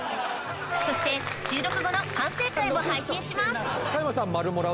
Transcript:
そして収録後の反省会も配信します